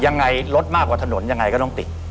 ยังไงรถมากกว่าถนนยังไงก็ต้องติด